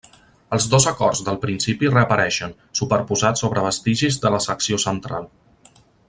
Els dos acords del principi reapareixen, superposats sobre vestigis de la secció central.